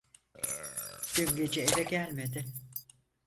Dün gece eve gelmedi.